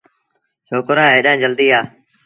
ڇوڪرآ هيڏآن جلديٚ آ۔